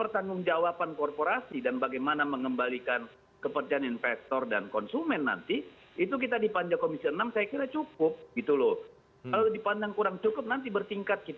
tapi kan dibentuk pansus juga